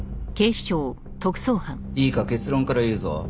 いいか結論から言うぞ。